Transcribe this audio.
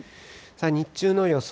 日中の予想